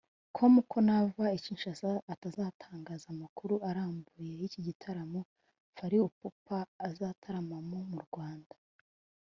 com ko nava i Kinshasa azatangaza amakuru arambuye y’iki gitaramo Fally Ipupa azataramamo mu Rwanda